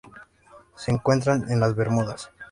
Se encuentran en las Bermudas.